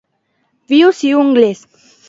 Vius i ungles!